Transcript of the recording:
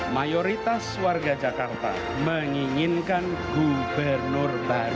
mayoritas warga jakarta menginginkan gubernur baru